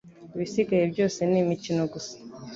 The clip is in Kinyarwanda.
Ibisigaye byose ni imikino gusa